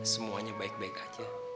semuanya baik baik aja